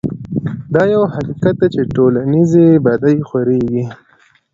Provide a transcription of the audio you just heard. دا يو حقيقت دی چې ټولنيزې بدۍ خورېږي.